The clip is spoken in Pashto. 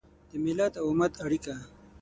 د ملت او امت اړیکه